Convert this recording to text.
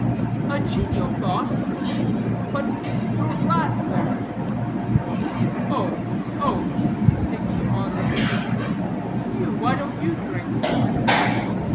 "A genial thought; but your glass there." "Oh, oh," taking a moderate sip, "but you, why don't you drink?"